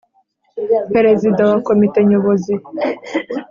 Perezida wa Komite Nyobozi